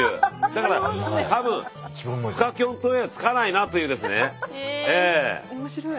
だから多分深キョン島へは着かないなというですねええ。